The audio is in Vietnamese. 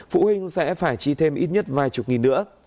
phụ huynh sẽ phải chi thêm ít nhất vài chục nghìn nữa